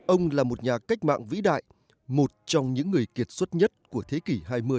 ông là một nhà cách mạng vĩ đại một trong những người kiệt xuất nhất của thế kỷ hai mươi